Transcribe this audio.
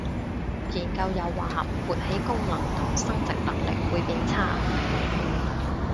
研究又話勃起功能同生殖能力會變差